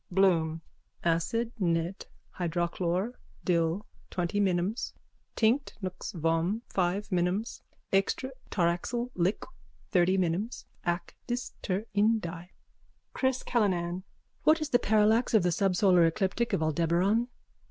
BLOOM: Acid. nit. hydrochlor. dil., 20 minims Tinct. nux vom., 5 minims Extr. taraxel. lig., 30 minims. Aq. dis. ter in die. CHRIS CALLINAN: What is the parallax of the subsolar ecliptic of Aldebaran?